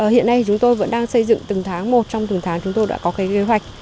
hiện nay chúng tôi vẫn đang xây dựng từng tháng một trong từng tháng chúng tôi đã có cái kế hoạch